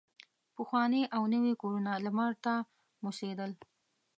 پخواني او نوي کورونه لمر ته موسېدل.